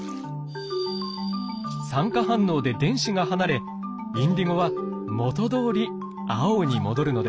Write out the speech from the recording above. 酸化反応で電子が離れインディゴは元どおり青に戻るのです。